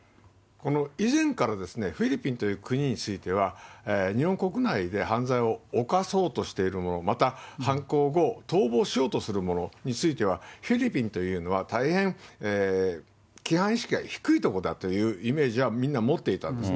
以前から、フィリピンという国については、日本国内で犯罪を犯そうとしている者、また犯行後、逃亡しようとする者については、フィリピンというのは、大変、規範意識が低い所だというイメージはみんな持っていたんですね。